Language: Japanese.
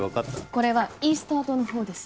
これはイースター島のほうです